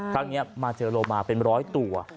ครั้งนี้มาเจอโลมาเป็นร้อยตัว